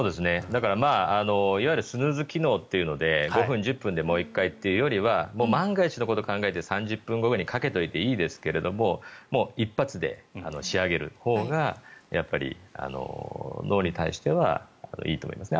いわゆるスヌーズ機能というので５分１０分でもう１回というよりは万が一のことを考えて３０分後くらいにかけておいていいですけども一発で仕上げるほうがやっぱり脳に対してはいいと思いますね。